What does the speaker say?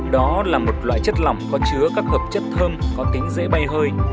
đó là một loại chất lỏng có chứa các hợp chất thơm có tính dễ bay hơi